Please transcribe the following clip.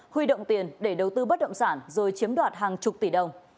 huy động tiền để đầu tư bất động sản rồi chiếm đoạt hàng chục tỷ đồng